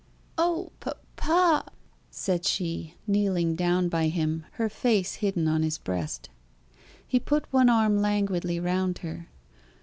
"Oh, papa!" said she, kneeling down by him, her face hidden on his breast. He put one arm languidly round her.